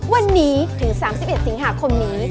วันนี้ถึง๓๑สิงหาคมนี้